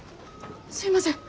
すいません